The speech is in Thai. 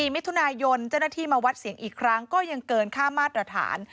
มิถุนายนเจ้าหน้าที่มาวัดเสียงอีกครั้งก็ยังเกินค่ามาตรฐาน